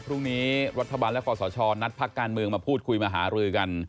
พรุ่งนี้รัฐบาลและคอสชนัดพักการเมืองมาพูดคุยมาหารือกัน